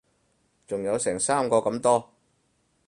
仲有成三個咁多